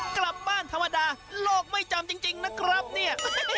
กลับบ้านธรรมดาโลกไม่จำจริงนะครับเนี่ย